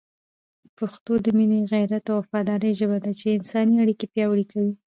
پښتو د مینې، غیرت او وفادارۍ ژبه ده چي انساني اړیکي پیاوړې کوي.